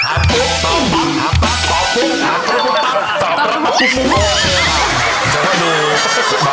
ตอบปุ๊บตอบปุ๊บตอบปุ๊บ